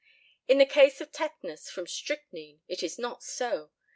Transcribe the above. In the case of tetanus from strychnine it is not so.